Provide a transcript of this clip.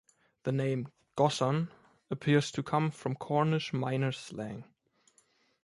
The name "gossan" appears to come from Cornish miner's slang.